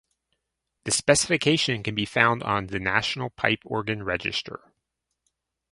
The specification can be found on the National Pipe Organ Register.